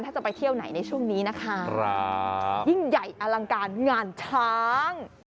ถ้าจะไปเที่ยวไหนในช่วงนี้นะคะยิ่งใหญ่อลังการงานช้าง